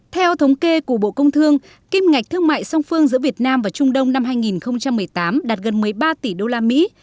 theo thống kê của bộ công thương kim ngạch thương mại song phương giữa việt nam và trung đông năm hai nghìn một mươi tám đạt gần một mươi ba tỷ đô la mỹ